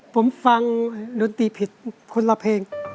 ผมฟังดนตรีผิดคนละเพลง